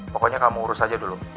pokoknya kamu urus aja dulu